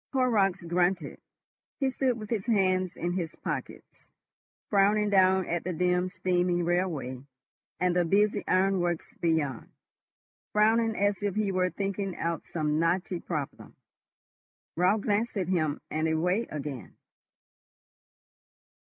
Horrocks grunted. He stood with his hands in his pockets, frowning down at the dim steaming railway and the busy ironworks beyond, frowning as if he were thinking out some knotty problem. Raut glanced at him and away again.